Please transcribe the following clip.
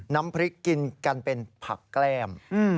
น้ำพริกกินกันเป็นผักแกล้ม